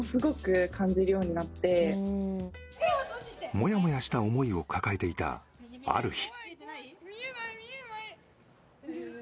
モヤモヤした思いを抱えていたある日。